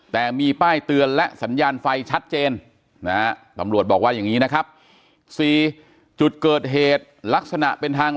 ตำรวจบอกว่าอย่างนี้นะครับ๔จุดเกิดเหตุลักษณะเป็นทาง